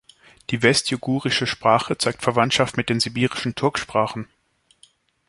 Die west-yugurische Sprache zeigt Verwandtschaft mit den sibirischen Turksprachen.